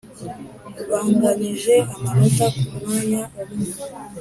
banganyije amanota ku mwanya umwe,